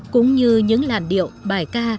cũng như những làn điệu bài ca